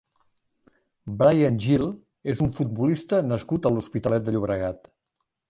Bryan Gil és un futbolista nascut a l'Hospitalet de Llobregat.